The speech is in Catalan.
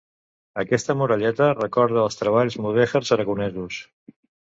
Aquesta muralleta recorda als treballs mudèjars aragonesos.